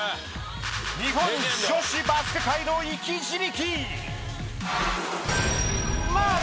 日本女子バスケ界の生き字引。